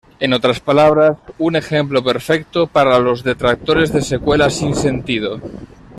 En otras palabras, un ejemplo perfecto para los detractores de secuelas sin sentido".